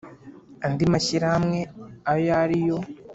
andi mashyirahamwe ayo ariyo